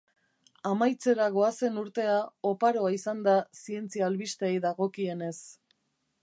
Amaitzera goazen urtea oparoa izan da zientzia albisteei dagokienez.